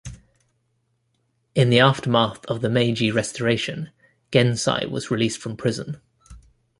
In the aftermath of the Meiji Restoration, Gensai was released from prison.